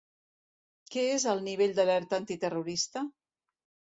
Què és el ‘nivell d’alerta antiterrorista’?